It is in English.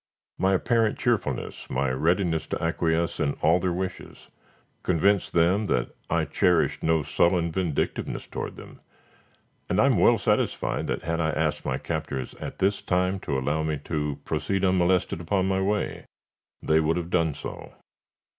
My apparent cheerfulness, my readiness to acquiesce in all their wishes, convinced them that I cherished no sullen vindictiveness toward them, and I am well satisfied that had I asked my captors at this time to allow me to proceed unmolested upon my way, they would have done so.